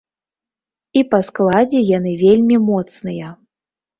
І па складзе яны вельмі моцныя.